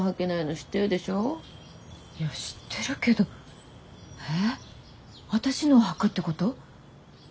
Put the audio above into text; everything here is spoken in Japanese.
知ってるけどえっ私のをはくってこと？